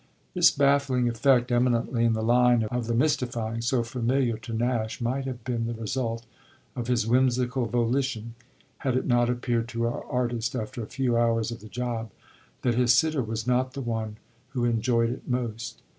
This baffling effect, eminently in the line of the mystifying, so familiar to Nash, might have been the result of his whimsical volition, had it not appeared to our artist, after a few hours of the job, that his sitter was not the one who enjoyed it most.